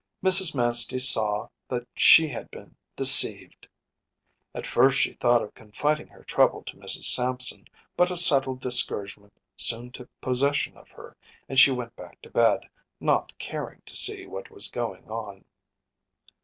Mrs. Manstey saw that she had been deceived. At first she thought of confiding her trouble to Mrs. Sampson, but a settled discouragement soon took possession of her and she went back to bed, not caring to see what was going on.